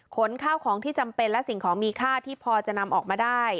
ขนข้าวของที่จำเป็นและสิ่งของมีค่าที่พอจะนำออกมาได้